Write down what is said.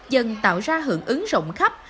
dần tạo ra hưởng ứng rộng khắp